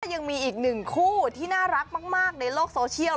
ยังมีอีกหนึ่งคู่ที่น่ารักมากในโลกโซเชียล